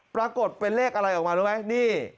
ปรากฏเป็นเลขอะไรออกมารู้ไหมนี่